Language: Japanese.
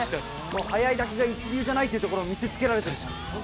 速いだけが一流じゃないというところを見せつけられてるじゃん。